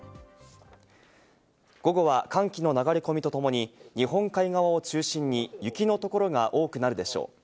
午後は寒気の流れ込みとともに、日本海側を中心に雪の所が多くなるでしょう。